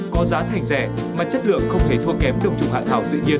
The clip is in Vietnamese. có giá thành rẻ mà chất lượng không thể thua kém được trùng hạ thảo tự nhiên